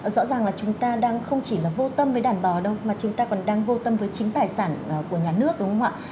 rõ ràng là chúng ta đang không chỉ là vô tâm với đàn bò đâu mà chúng ta còn đang vô tâm với chính tài sản của nhà nước đúng không ạ